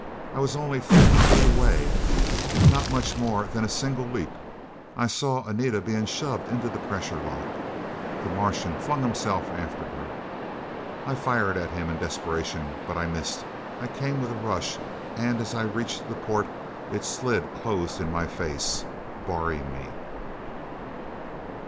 I was only fifty feet away not much more than a single leap. I saw Anita being shoved into the pressure lock. The Martian flung himself after her. I fired at him in desperation, but missed. I came with a rush. And as I reached the port, it slid closed in my face, barring me!